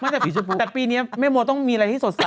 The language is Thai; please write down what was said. แต่ปีนี้แม่โม่ต้องมีอะไรที่สดใส